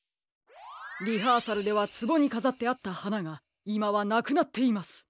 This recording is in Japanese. リハーサルではツボにかざってあったはながいまはなくなっています。